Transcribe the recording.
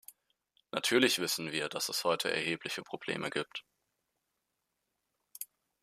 Natürlich wissen wir, dass es heute erhebliche Probleme gibt.